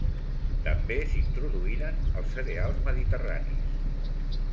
També s'introduïren els cereals mediterranis.